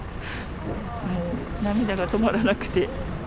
もう涙が止まらなくて。